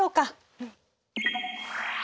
うん。